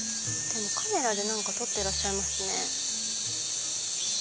カメラで何か撮ってらっしゃいますね。